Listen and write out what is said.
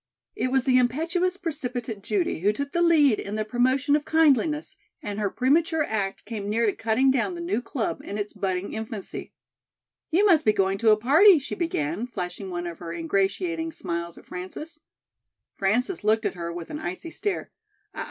It was the impetuous, precipitate Judy who took the lead in the promotion of kindliness and her premature act came near to cutting down the new club in its budding infancy. "You must be going to a party," she began, flashing one of her ingratiating smiles at Frances. Frances looked at her with an icy stare.